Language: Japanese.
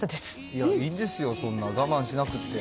いや、いいですよ、そんな、我慢しなくって。